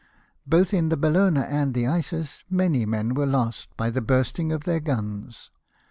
Both in the Bellona and the Isis many men were lost by the bursting of their guns.